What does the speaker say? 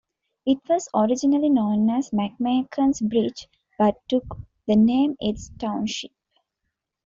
It was originally known as McMaken's Bridge, but took the name its township.